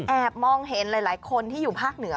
มองเห็นหลายคนที่อยู่ภาคเหนือ